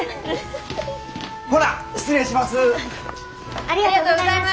ほな失礼します。